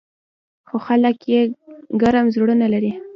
خو خلک یې ګرم زړونه لري.